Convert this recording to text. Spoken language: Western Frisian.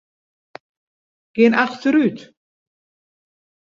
Gean achterút.